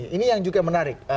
ini yang juga menarik